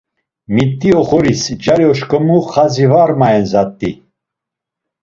Miti oxoris cari oşǩomu xadzi var mayen zat̆i.